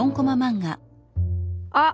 「あっ！